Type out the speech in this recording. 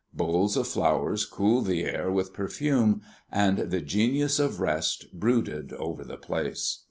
Bowls of flowers cooled the air with perfume, and the Genius of Rest brooded over the place.